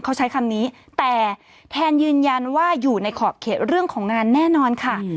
เขาใช้คำนี้แต่แทนยืนยันว่าอยู่ในขอบเขตเรื่องของงานแน่นอนค่ะ